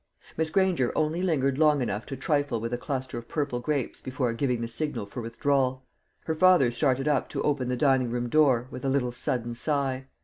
Miss Granger only lingered long enough to trifle with a cluster of purple grapes before giving the signal for withdrawal. Her father started up to open the dining room door, with a little sudden sigh.